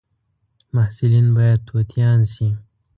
محصلین باید توتیان شي